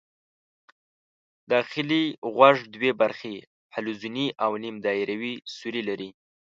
داخلي غوږ دوې برخې حلزوني او نیم دایروي سوري لري.